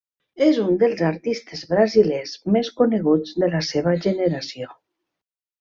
És un dels artistes brasilers més coneguts de la seva generació.